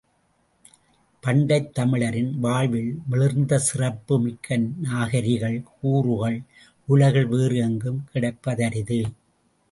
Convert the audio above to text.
பண்டைத் தமிழரின் வாழ்வில் மிளிர்ந்த சிறப்பு மிக்க நாகரிகக் கூறுகள் உலகில் வேறு எங்கும் கிடைப்பதரிது.